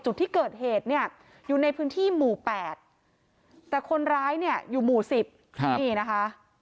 จุดที่เกิดเหตุเนี่ยอยู่ในพื้นที่หมู่๘แต่คนร้ายเนี่ยอยู่หมู่๑๐นี่นะคะ